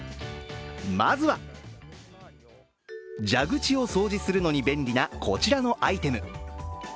まずは、蛇口を掃除するのに便利なこちらのアイテム。